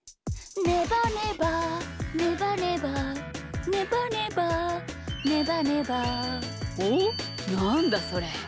「ねばねばねばねば」「ねばねばねばねば」おっなんだそれ？